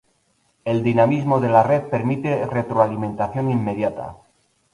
El dinamismo de la red permite retroalimentación inmediata.